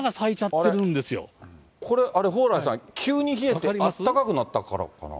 これ、蓬莱さん、急に冷えてあったかくなったからかな？